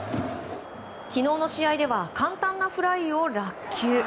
昨日の試合では簡単なフライを落球。